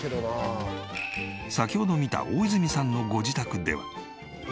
先ほど見た大泉さんのご自宅では。